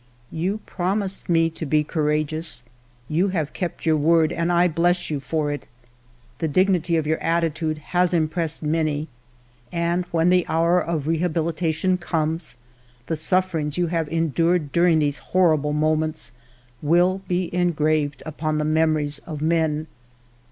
" You promised me to be courageous. You have kept your word, and I bless you for it. The dignity of your attitude has impressed many ; and when the hour of rehabihtation ALFRED DREYFUS 55 comes, the sufferings you have endured during these horrible moments will be engraved upon the memories of men.